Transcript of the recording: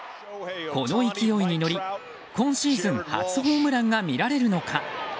この勢いに乗り今シーズン初ホームランが見られるのか。